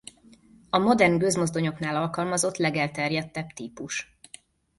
A modern gőzmozdonyoknál alkalmazott legelterjedtebb típus.